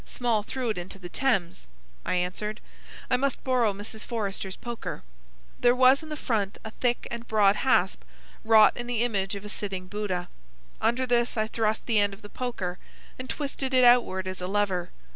"Small threw it into the Thames," I answered. "I must borrow Mrs. Forrester's poker." There was in the front a thick and broad hasp, wrought in the image of a sitting Buddha. Under this I thrust the end of the poker and twisted it outward as a lever.